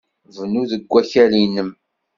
Bnu deg wakal-nnem.